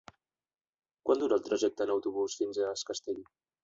Quant dura el trajecte en autobús fins a Es Castell?